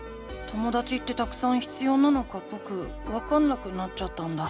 ともだちってたくさん必要なのかぼくわかんなくなっちゃったんだ。